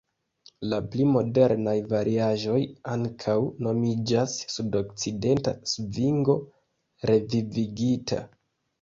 La pli modernaj variaĵoj ankaŭ nomiĝas "sudokcidenta svingo revivigita".